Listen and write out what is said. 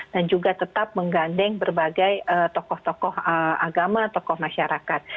dan juga tetap menggandeng berbagai tokoh tokoh agama tokoh masyarakat